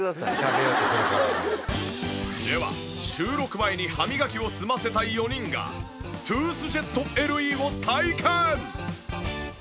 では収録前に歯磨きを済ませた４人がトゥースジェットＬＥを体験！